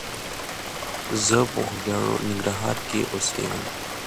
Upon his assumption of office Reuter avowed himself to an "open" corporate culture.